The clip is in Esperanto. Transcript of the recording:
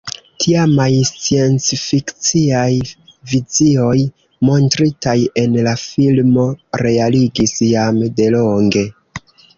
Tiamaj sciencfikciaj vizioj montritaj en la filmo realigis jam delonge.